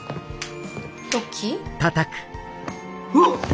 うわっ！？